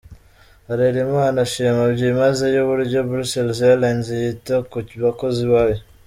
Harelimana ashima byimazeyo uburyo Brussels Airlines yita ku bakozi bayo.